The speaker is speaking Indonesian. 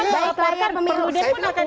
bapak akan melaporkan perludem pun akan dilaporkan